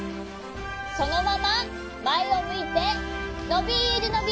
そのまままえをむいてのびるのびるストップ！